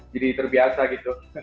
jadi terbiasa gitu